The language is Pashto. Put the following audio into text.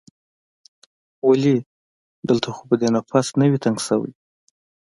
ولې؟ دلته خو به دې نفس نه وي تنګ شوی؟